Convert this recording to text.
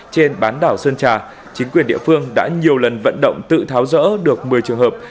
trên bán đảo sơn trà chính quyền địa phương đã nhiều lần vận động tự tháo rỡ được một mươi trường hợp